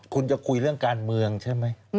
คุณจะคุยเรื่องการเมืองใช่ไหม